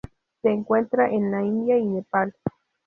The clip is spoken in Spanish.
Se encuentra en la India y Nepal.